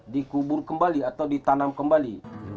dikubur kembali atau ditanam kembali